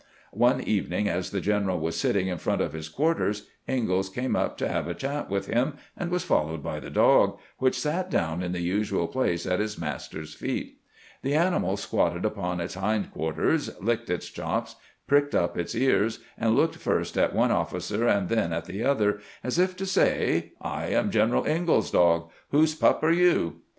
One evening, as the general was sitting in front of his quarters, Ingalls came up to have a chat with him, and was followed by the dog, which sat down in the usual place at its master's feet. The animal squatted upon its hind quarters, licked its chops, pricked up its ears, and looked first at one officer and then at the other, grant's inteecouese with his associates 331 as if to say :" I am G eneral Ingalls's dog ; whose pup are you